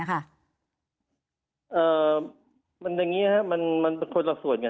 มันเป็นอย่างนี้มันเป็นคนละส่วน